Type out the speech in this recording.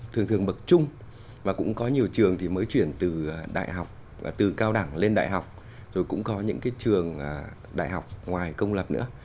thường thường bậc chung và cũng có nhiều trường thì mới chuyển từ đại học từ cao đẳng lên đại học rồi cũng có những cái trường đại học ngoài công lập nữa